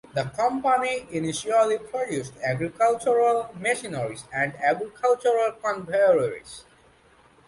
The company initially produced agricultural machinery and agricultural conveyors.